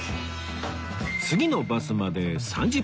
次のバスまで３０分